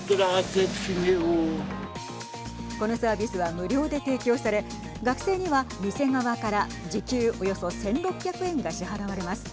このサービスは無料で提供され学生には店側から時給およそ１６００円が支払われます。